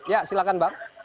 ya silakan bang